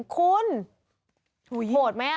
คุณโหดไหม